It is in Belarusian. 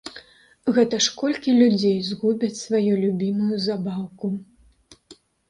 Гэта ж колькі людзей згубяць сваю любімую забаўку!